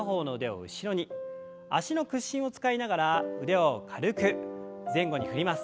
脚の屈伸を使いながら腕を軽く前後に振ります。